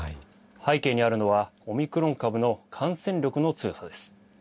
背景にあるのはオミクロン株の感染力の強さです。